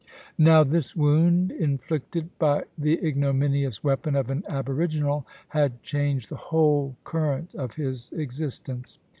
Now this wound, inflicted by the ignominious weapon of an aboriginal, had changed the whole current of his existence.